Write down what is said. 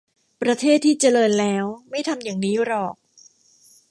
ประเทศที่เจริญแล้วไม่ทำอย่างนี้หรอก